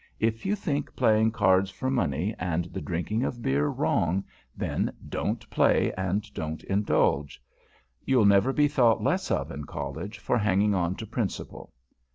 If you think playing cards for money and the drinking of beer wrong, then don't play and don't indulge. You'll never be thought less of in College for hanging on to principle.